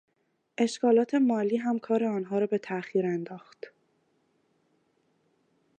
اشکالات مالی هم کار آنها را به تاءخیر انداخت.